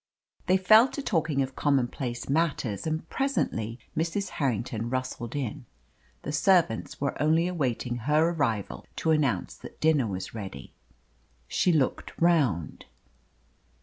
They fell to talking of commonplace matters, and presently Mrs. Harrington rustled in. The servants were only awaiting her arrival to announce that dinner was ready. She looked round.